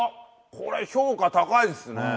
これ評価高いですね。